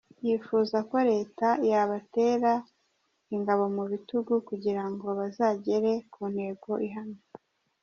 Yifuza ko leta yabatera ingabo mu bitugu kugira ngo bazagere ku ntego ihamye.